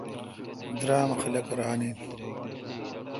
درام اؘ خلق ران این۔